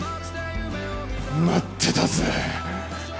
待ってたぜ。